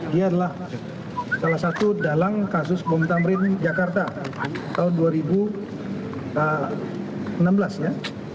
dia adalah salah satu dalang kasus bom tamrin jakarta tahun dua ribu enam belas ya